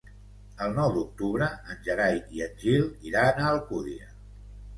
El nou d'octubre en Gerai i en Gil iran a Alcúdia.